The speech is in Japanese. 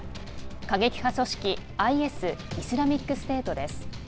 過激派組織ＩＳ＝イスラミックステートです。